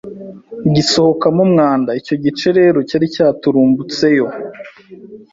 gisohokamo umwanda, icyo gice rero cyari cyaturumbutseyo